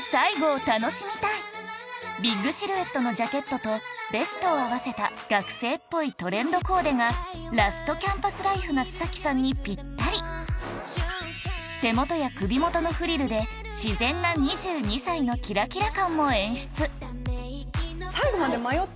ビッグシルエットのジャケットとベストを合わせた学生っぽいトレンドコーデがラストキャンパスライフな須さんにぴったり手元や首元のフリルで自然な２２歳のキラキラ感も演出